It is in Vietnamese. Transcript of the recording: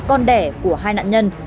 con đẻ của hai nạn nhân